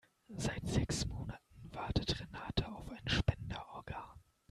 Seit sechs Monaten wartet Renate auf ein Spenderorgan.